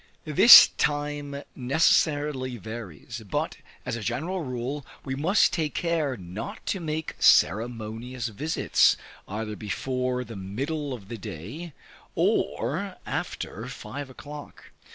This time necessarily varies; but as a general rule we must take care not to make ceremonious visits, either before the middle of the day, or after five o'clock.